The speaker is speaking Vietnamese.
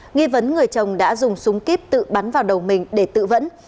nghi vấn người chồng đã dùng súng kíp tự bắn vào đầu mình để tự vẫn